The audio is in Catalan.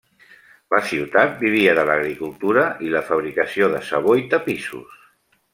La ciutat vivia de l'agricultura i la fabricació de sabó i tapissos.